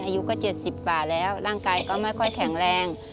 อายุก็๗๐กว่าแล้วร่างกายก็ไม่ค่อยแข็งแรง